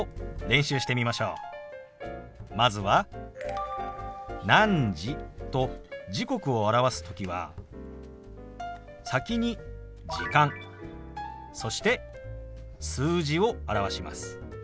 まずは「何時」と時刻を表す時は先に「時間」そして数字を表します。